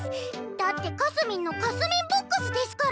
だってかすみんのかすみんボックスですから！